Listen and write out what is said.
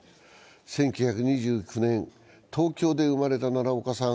１９２９年、東京で生まれた奈良岡さん